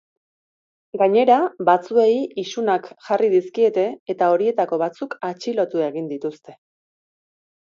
Gainera, batzuei isunak jarri dizkiete eta horietako batzuk atxilotu egin dituzte.